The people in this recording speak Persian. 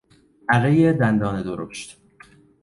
ارهی دندانه درشت